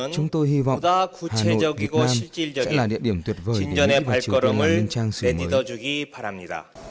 chúng tôi hy vọng hà nội việt nam sẽ là địa điểm tuyệt vời để mỹ và triều tiên lên trang sửa mới